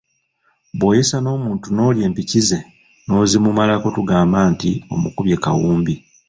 Bw’oyesa n’omuntu n’olya empiki ze n’ozimumalako tugamba nti omukubye kawumbi.